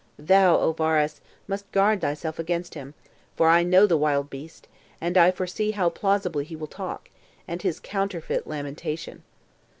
Thou, O Varus, must guard thyself against him; for I know the wild beast, and I foresee how plausibly he will talk, and his counterfeit lamentation.